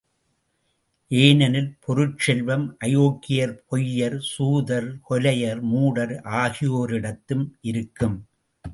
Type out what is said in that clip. ஏனெனில் பொருட்செல்வம் அயோக்கியர், பொய்யர், சூதர், கொலையர், மூடர் ஆகியோரிடத்தும் இருக்கும்.